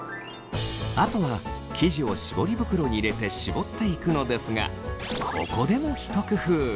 あとは生地を絞り袋に入れて絞っていくのですがここでもひと工夫。